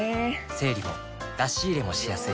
整理も出し入れもしやすい